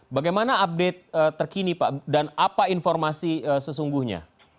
bagaimana update terkini pak dan apa informasi sesungguhnya